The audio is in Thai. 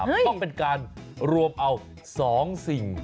ต้องเป็นการรวมเอา๒สิ่ง